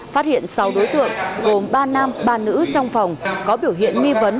phát hiện sáu đối tượng gồm ba nam ba nữ trong phòng có biểu hiện nghi vấn